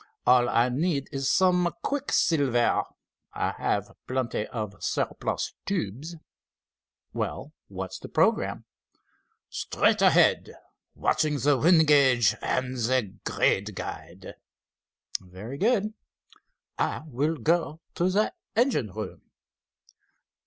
"All I need is some quicksilver. I have plenty of surplus tubes." "Well, what is the programme?" "Straight ahead, watching the wind gauge and the grade guide." "Very good." "I will go to the engine room."